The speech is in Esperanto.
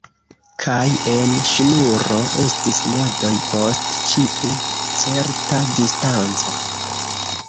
Kaj en ŝnuro estis nodoj post ĉiu certa distanco.